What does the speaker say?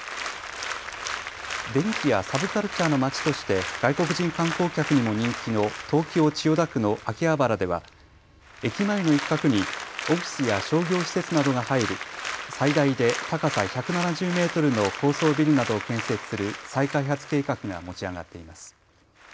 電気やサブカルチャーの街として外国人観光客にも人気の東京千代田区の秋葉原では駅前の一角にオフィスや商業施設などが入る最大で高さ１７０メートルの高層ビルなどを建設する再開発計画が持ち上がっています。